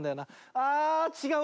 あ違う。